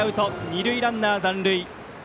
二塁ランナー、残塁。